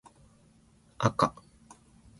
あか